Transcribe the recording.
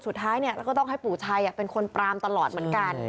สุดท้ายแล้วก็ต้องให้ปู่ชัยเป็นคนปรามตลอดเหมือนกัน